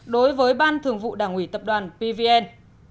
đối với ban thường vụ đảng ủy tập đoàn pvn